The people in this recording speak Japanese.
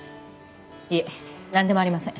いえなんでもありません。